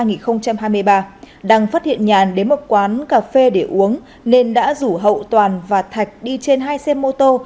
nguyễn phát hiện nhàn đến một quán cà phê để uống nên đã rủ hậu toàn và thạch đi trên hai xe mô tô